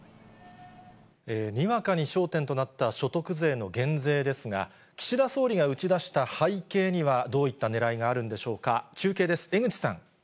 にわかに焦点となった所得税の減税ですが、岸田総理が打ち出した背景には、どういったねらいがあるんでしょうか。